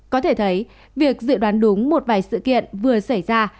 có thể thấy việc dự đoán đúng một vài sự kiện vừa xảy ra